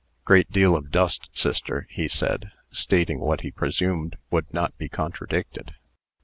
"Great deal of dust, sister," he said, stating what he presumed would not be contradicted.